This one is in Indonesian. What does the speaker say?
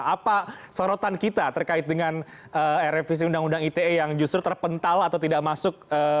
apa sorotan kita terkait dengan revisi undang undang ite yang justru terpental atau tidak masuk